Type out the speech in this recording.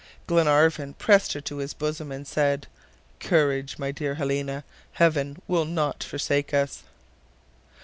Glenarvan pressed her to his bosom and said: "Courage, my dear Helena; Heaven will not forsake us!"